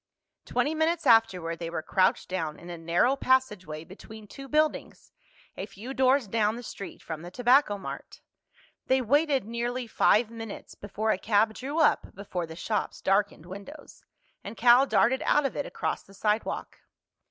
Twenty minutes afterward they were crouched down in a narrow passageway between two buildings, a few doors down the street from the Tobacco Mart. They waited nearly five minutes before a cab drew up before the shop's darkened windows, and Cal darted out of it across the sidewalk.